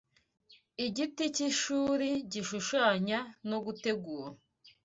Igiti cyishuri Gishushanya no Gutegura